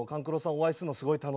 お会いするのすごい楽しみで。